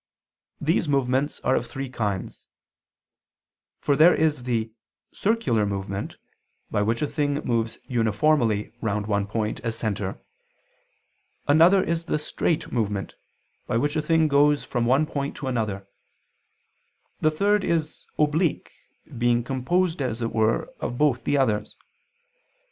These movements are of three kinds; for there is the "circular" movement, by which a thing moves uniformly round one point as center, another is the "straight" movement, by which a thing goes from one point to another; the third is "oblique," being composed as it were of both the others.